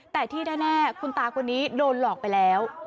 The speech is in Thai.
แต่ที่แน่คุณตาคนนี้โดนหลอกไปแล้ว